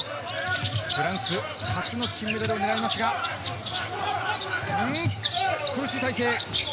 フランス、初の金メダルになりますが、苦しい体勢。